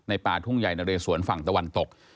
ป่าทุ่งใหญ่นะเรสวนฝั่งตะวันตก